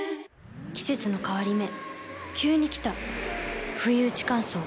季節の変わり目急に来たふいうち乾燥。